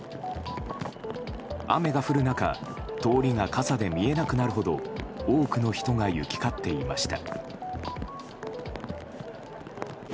雨が降る中通りが傘で見えなくなるほど多くの人が行き交っていました。